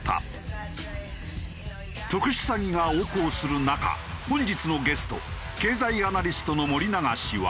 特殊詐欺が横行する中本日のゲスト経済アナリストの森永氏は。